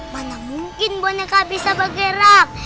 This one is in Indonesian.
banyak mungkin boneka bisa bergerak